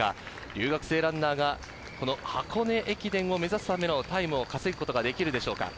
留学生ランナーが箱根駅伝を目指すためのタイムを稼ぐことができるでしょうか？